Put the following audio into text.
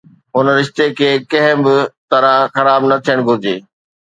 هن رشتي کي ڪنهن به طرح خراب نه ٿيڻ گهرجي.